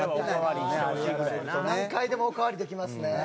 何回でもおかわりできますね。